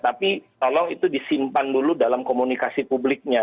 tapi tolong itu disimpan dulu dalam komunikasi publiknya